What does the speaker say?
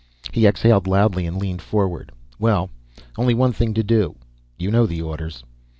He exhaled loudly and leaned forward. "Well, only one thing to do. You know the orders."